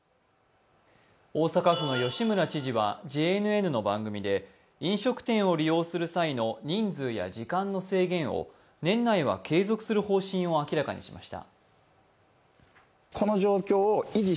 大阪府の吉村知事はＪＮＮの番組で、飲食店を利用する際の人数や時間の制限を年内は継続する方針を明らかにしました。